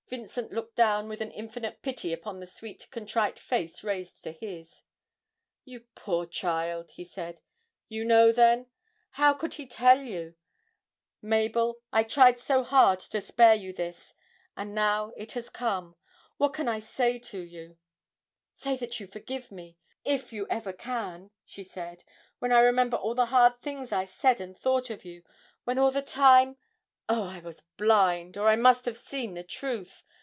Vincent looked down with an infinite pity upon the sweet contrite face raised to his. 'You poor child,' he said, 'you know then? How could he tell you! Mabel, I tried so hard to spare you this and now it has come! What can I say to you?' 'Say that you forgive me if you ever can!' she said, 'when I remember all the hard things I said and thought of you, when all the time oh, I was blind, or I must have seen the truth!